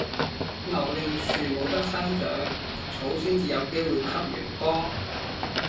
牛令樹冇得生長，草先至有機會吸陽光